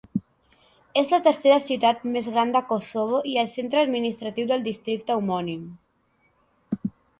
És la tercera ciutat més gran de Kosovo i el centre administratiu del districte homònim.